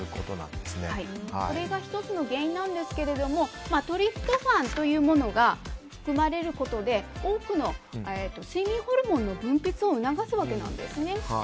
これが１つの原因なんですがトリプトファンというものが含まれることで多くの睡眠ホルモンの分泌を促すんですね。